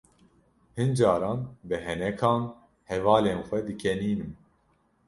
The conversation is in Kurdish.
Hin caran bi henekan hevalên xwe dikenînim.